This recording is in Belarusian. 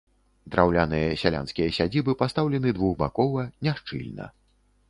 Драўляныя сялянскія сядзібы пастаўлены двухбакова, няшчыльна.